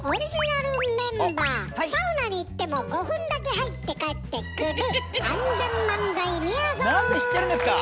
そしてサウナに行っても５分だけ入って帰ってくるなんで知ってるんですか！